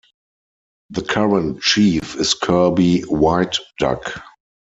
The current Chief is Kirby Whiteduck.